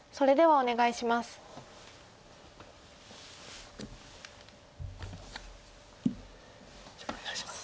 お願いします。